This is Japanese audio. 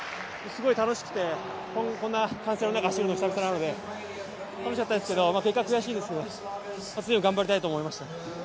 すごい楽しくて、こんな歓声の中、走るのは久々なので楽しかったですけど結果は悔しいですけど次、頑張りたいと思いました。